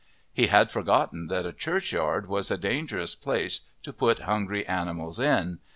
He had forgotten that a churchyard was a dangerous place to put hungry animals in.